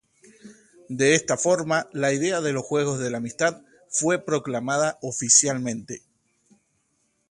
De esta forma, la idea de los Juegos de la Amistad fue proclamada oficialmente.